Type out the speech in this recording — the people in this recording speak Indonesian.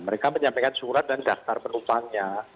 mereka menyampaikan surat dan daftar penumpangnya